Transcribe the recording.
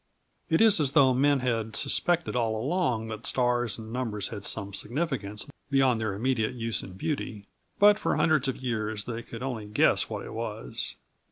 It is as though men had suspected all along that stars and numbers had some significance beyond their immediate use and beauty, but for hundreds of years they could only guess what it was.